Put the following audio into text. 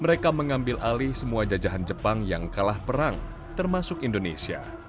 mereka mengambil alih semua jajahan jepang yang kalah perang termasuk indonesia